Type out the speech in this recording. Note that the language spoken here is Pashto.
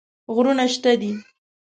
غرونه شته دي.